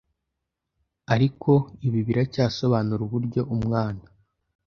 Ariko ibi biracyasobanura uburyo Umwana